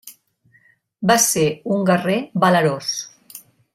Va ser un guerrer valerós.